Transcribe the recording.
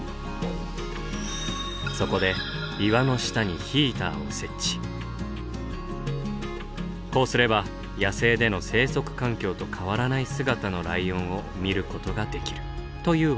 そこで岩の下にこうすれば野生での生息環境と変わらない姿のライオンを見ることができるというわけなんです。